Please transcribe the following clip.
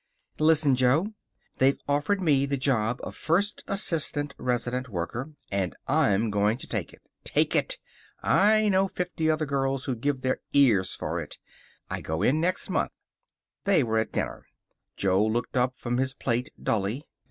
"Listen, Jo. They've offered me the job of first assistant resident worker. And I'm going to take it. Take it! I know fifty other girls who'd give their ears for it. I go in next month." They were at dinner. Jo looked up from his plate, dully.